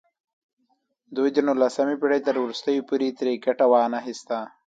دوی د نولسمې پېړۍ تر وروستیو پورې ترې ګټه وانخیسته.